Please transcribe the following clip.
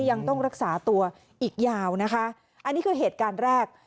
ยังต้องรักษาตัวอีกยาวนะคะอันนี้คือเหตุการณ์แรก